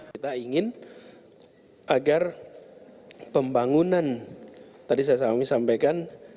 kita ingin agar pembangunan tadi saya sama sama sampaikan